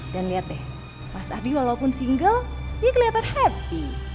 dan lihat deh mas ardi walaupun single dia kelihatan happy